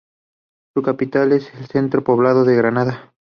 Su capital es el centro poblado de Granada.